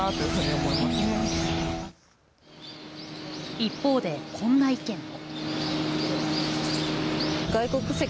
一方で、こんな意見も。